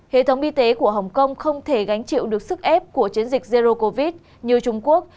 hệ thống y tế của hồng kông không thể gánh chịu được sức ép của chiến dịch zero covid như trung quốc